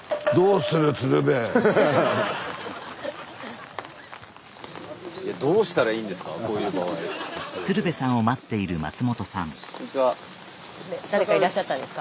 スタジオ誰かいらっしゃったんですか？